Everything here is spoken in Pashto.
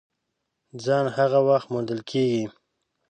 ځان هغه وخت موندل کېږي !